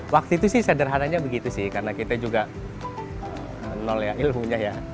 waktu itu sih sederhananya begitu sih karena kita juga nol ya ilmunya ya